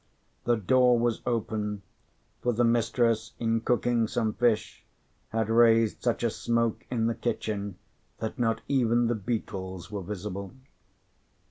The door was open; for the mistress, in cooking some fish, had raised such a smoke in the kitchen that not even the beetles were visible.